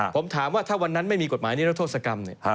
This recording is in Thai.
ผมถามว่าถ้าวันนั้นไม่มีกฎหมายนิรโทษกรรม